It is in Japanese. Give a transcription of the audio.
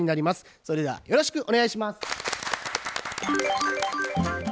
それではよろしくお願いします。